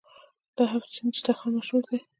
د هفت سین دسترخان مشهور دی.